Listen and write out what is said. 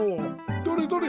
どれどれ。